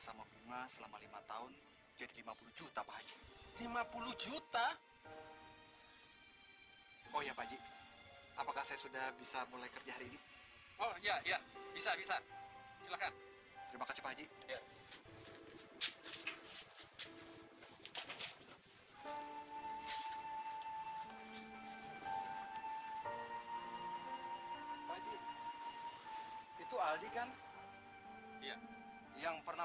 sampai jumpa di video selanjutnya